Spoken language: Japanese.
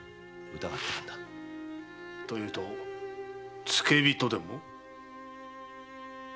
というと付け火とでも？